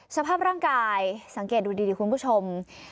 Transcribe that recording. สภาพร่างกายสังเกตดูดีคุณผู้ชม